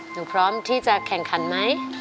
หนูพร้อมที่จะแข่งขันไหม